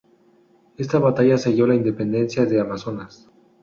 Esta batalla selló la independencia de Amazonas.